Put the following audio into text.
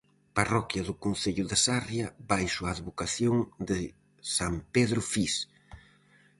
Parroquia do concello de Sarria baixo a advocación de san Pedro Fiz.